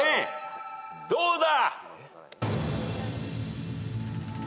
どうだ？